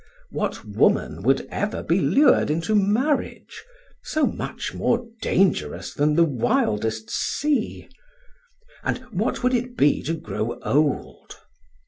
What woman would ever be lured into marriage, so much more dangerous than the wildest sea? And what would it be to grow old?